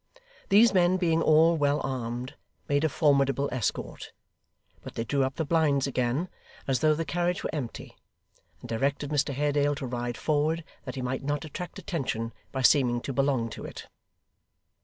These men being all well armed, made a formidable escort; but they drew up the blinds again, as though the carriage were empty, and directed Mr Haredale to ride forward, that he might not attract attention by seeming to belong to it.